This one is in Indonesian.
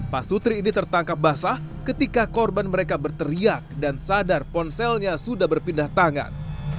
pasutri ini tertangkap basah ketika korban mereka berteriak dan sadar ponselnya sudah berpindah tangan